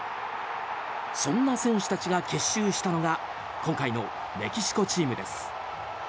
そんな選手たちが結集したのが今回のメキシコチームです。